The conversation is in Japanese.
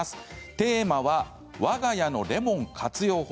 テーマはわが家のレモン活用法。